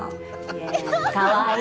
かわいい。